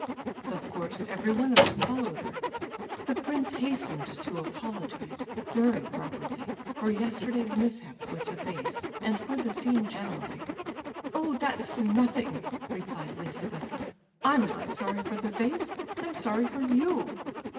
Of course every one of them followed her. The prince hastened to apologize, very properly, for yesterday's mishap with the vase, and for the scene generally. "Oh, that's nothing," replied Lizabetha; "I'm not sorry for the vase, I'm sorry for you.